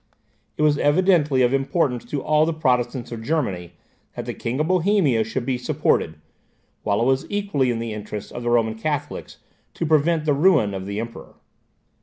It was evidently of importance to all the Protestants of Germany that the King of Bohemia should be supported, while it was equally the interest of the Roman Catholics to prevent the ruin of the Emperor.